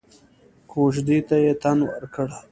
کوژدې ته يې تن ورکړ.